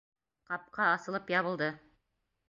Ҡапҡа асылып ябылды.